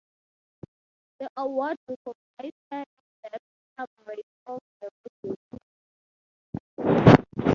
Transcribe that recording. The award recognised her in depth coverage of the radio scene.